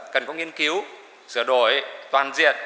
cần có nghiên cứu sửa đổi toàn diệt